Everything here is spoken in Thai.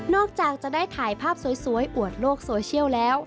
จากจะได้ถ่ายภาพสวยอวดโลกโซเชียลแล้ว